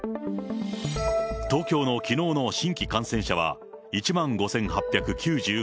東京のきのうの新規感染者は１万５８９５人。